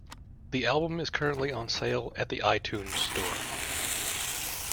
The album is currently on sale at the iTunes Store.